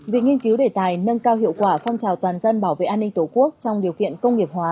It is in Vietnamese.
việc nghiên cứu đề tài nâng cao hiệu quả phong trào toàn dân bảo vệ an ninh tổ quốc trong điều kiện công nghiệp hóa